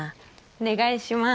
お願いします。